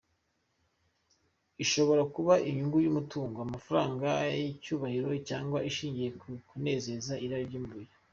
Ishobora kuba inyungu y’umutungo, amafaranga, icyubahiro cyangwa ishingiye ku kunezeza irari ry’umubiri.